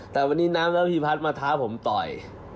แต่วันนี้น้ำระพีพัฒน์มาท้าผมต่อย